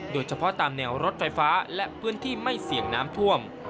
โดยเฉพาะตามแนวรถไฟฟ้าและพื้นที่ไม่เสี่ยงน้ำท่วม